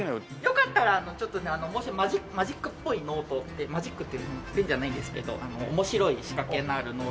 よかったらちょっとマジックっぽいノートってマジックってペンじゃないんですけど面白い仕掛けのあるノート。